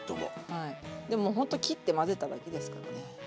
はいでもほんと切って混ぜただけですからね。